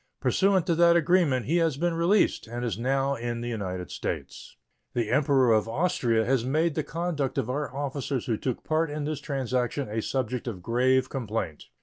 Pursuant to that agreement, he has been released, and is now in the United States. The Emperor of Austria has made the conduct of our officers who took part in this transaction a subject of grave complaint.